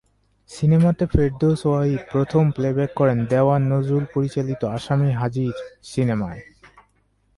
সিনেমাতে ফেরদৌস ওয়াহিদ প্রথম প্লে-ব্যাক করেন দেওয়ান নজরুল পরিচালিত ‘আসামী হাজির’ সিনেমায়।